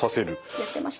やってました。